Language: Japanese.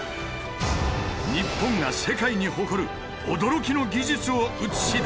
日本が世界に誇る驚きの技術を映し出す！